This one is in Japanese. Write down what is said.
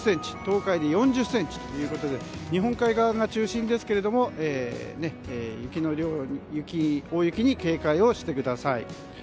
東海で４０ｃｍということで日本海側が中心ですけど大雪に警戒をしてください。